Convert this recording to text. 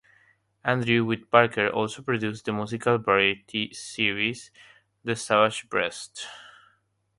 Andrew, with Parker, also produced the musical variety series, "The Savage Breast".